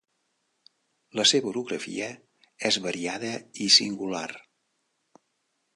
La seva orografia és variada i singular.